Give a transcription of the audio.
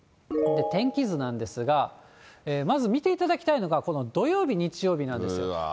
天気図なんですが、まず見ていただきたいのが、この土曜日、日曜日なんですよ。